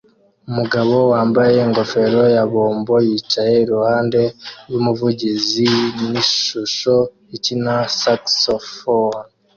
Umugabo wambaye ingofero ya bombo yicaye iruhande rwumuvugizi nishusho ikina saxofone